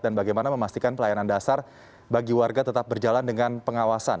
bagaimana memastikan pelayanan dasar bagi warga tetap berjalan dengan pengawasan